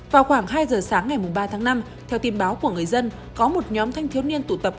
vào khoảng hai giờ sáng ngày ba tháng năm theo tin báo của người dân có một nhóm thanh thiếu niên tụ tập